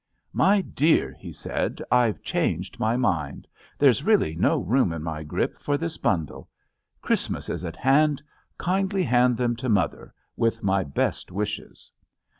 "My dear," he said, "I've changed my mind. There's really no room in my grip for this bundle. Christmas is at hand — ^kindly hand them to Mother, with my best wishes."